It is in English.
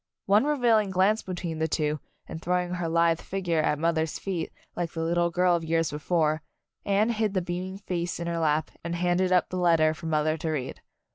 One revealing glance between the two, and throwing her lithe figure at mother's feet, like the little girl of years before, Anne hid the beaming face in her lap and handed up the letter for mother to read.